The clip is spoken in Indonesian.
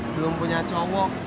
belum punya cowok